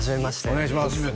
お願いします